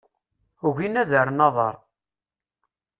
Ugin ad rren aḍar.